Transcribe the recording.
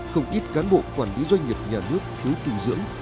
không ít cán bộ quản lý doanh nghiệp nhà nước thiếu dinh dưỡng